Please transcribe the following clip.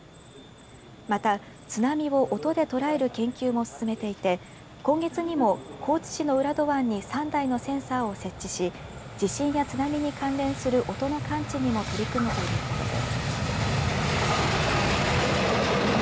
また、津波を音で捉える研究も進めていて今月にも高知市の浦戸湾に３台のセンサーを設置し地震や津波に関連する音の感知にも取り組むということです。